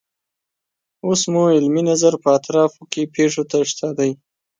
اوس مو علمي نظر په اطرافو کې پیښو ته شته دی.